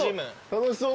楽しそう。